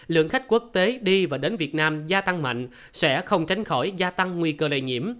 lượng khách quốc tế đi và đến việt nam gia tăng mạnh sẽ không tránh khỏi gia tăng nguy cơ lây nhiễm